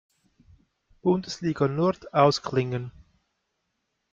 Bundesliga Nord ausklingen.